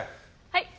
はい。